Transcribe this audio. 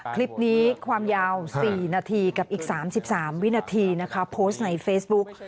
คลิปนี้ความยาว๔นาทีกับอีก๓๓วินาทีนะคะโพสต์ในเฟซบุ๊ก